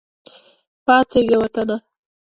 پاڅیږه وطنه !